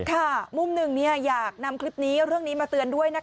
มุมหนึ่งอยากนำคลิปนี้เรื่องนี้มาเตือนด้วยนะคะ